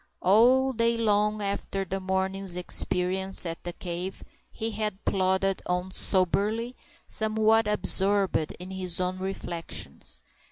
All day long after the morning's experience at the cave, he had plodded on soberly, somewhat absorbed in his own reflections.